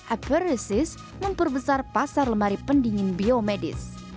akurasis memperbesar pasar lemari pendingin biomedis